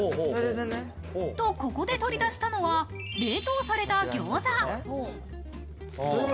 と、ここで取り出したのは、冷凍された餃子。